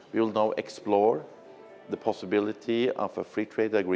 với năng lực và kỳ vọng tương tự